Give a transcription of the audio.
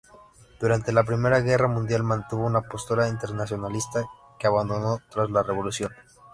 Durante la Primera Guerra Mundial, mantuvo una postura internacionalista, que abandonó tras la revolución.